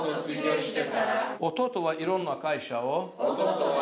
弟はいろんな会社を。